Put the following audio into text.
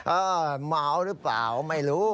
เอ่อม้าววหรือเปล่าไม่รู้